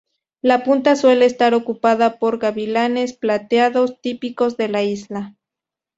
La punta suele estar ocupada por gavilanes plateados, típicos de la isla.